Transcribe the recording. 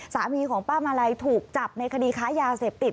สามีของป้ามาลัยถูกจับในคดีค้ายาเสพติด